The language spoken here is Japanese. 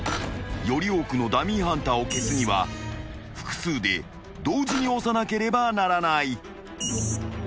［より多くのダミーハンターを消すには複数で同時に押さなければならない］